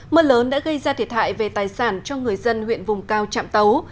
mưa lớn đã gây ra thiệt hại về tài sản cho người dân huyện vùng cao trạm tấu